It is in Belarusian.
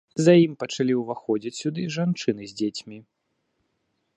За ім пачалі ўваходзіць сюды жанчыны з дзецьмі.